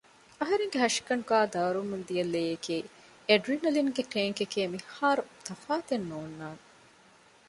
އަހަރެންގެ ހަށިގަނޑުގައި ދައުރުވަމުންދިޔަ ލެޔެކޭ އެޑްރަނެލިންގެ ޓޭންކެކޭ މިހާރު ތަފާތެއް ނޯންނާނެ